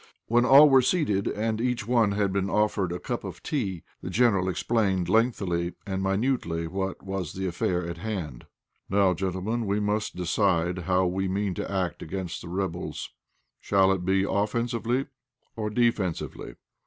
When all were seated, and each one had been offered a cup of tea, the General explained lengthily and minutely what was the affair in hand. "Now, gentlemen, we must decide how we mean to act against the rebels. Shall it be offensively or defensively?